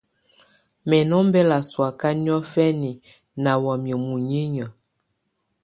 Mɛ̀ nɔ̀ ɔmbela sɔ̀áka niɔ̀fɛna nà wamɛ̀á muninƴǝ́.